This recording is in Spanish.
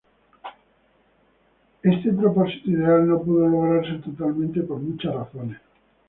Éste propósito ideal no pudo lograrse totalmente por muchas razones.